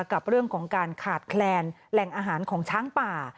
กับเรื่องของการขาดแคลนแหล่งอาหารของช้างป่า